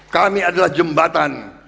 kami adalah jembatan